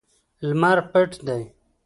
لمر پټ دی